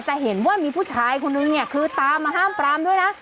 จะเห็นว่ามีผู้ชายคนนึงเนี่ยคือตามมาห้ามปรามด้วยนะ